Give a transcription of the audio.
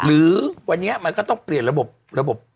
หรือวันนี้มันก็ต้องเปลี่ยนระบบระบบ